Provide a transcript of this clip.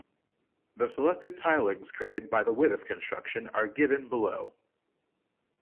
Selected tilings created by the Wythoff construction are given below.